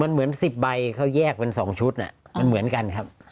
มันเหมือน๑๐ใบเขาแยกเป็น๒ชุดมันเหมือนกันครับ